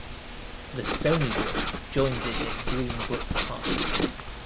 The Stony Brook joins it in Green Brook Park.